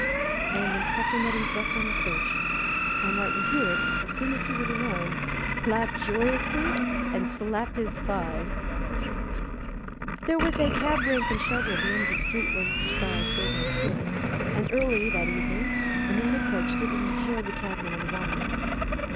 And Inspector Nettings left on his search; while Martin Hewitt, as soon as he was alone, laughed joyously and slapped his thigh. There was a cab rank and shelter at the end of the street where Mr. Styles' building stood, and early that evening a man approached it and hailed the cabmen and the waterman.